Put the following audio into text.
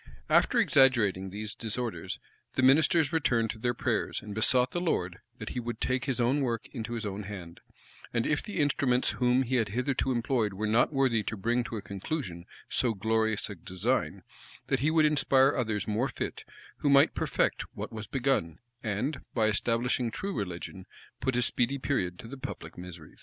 After exaggerating these disorders, the ministers returned to their prayers; and besought the Lord that he would take his own work into his own hand; and if the instruments whom he had hitherto employed were not worthy to bring to a conclusion so glorious a design, that he would inspire others more fit, who might perfect what was begun, and, by establishing true religion, put a speedy period to the public miseries.